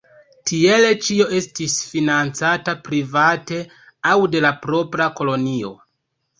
Tiele ĉio estis financata private aŭ de la propra kolonio.